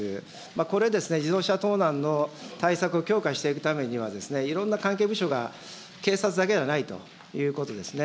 これ、自動車盗難の対策強化していくためには、いろんな関係部署が警察だけではないということですね。